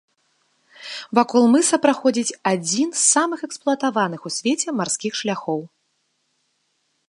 Вакол мыса праходзіць адзін з самых эксплуатаваных у свеце марскіх шляхоў.